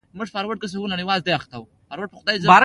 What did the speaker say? په لسمه زېږدیزې پیړۍ کې د سامانیانو قلمرو یوه برخه وه.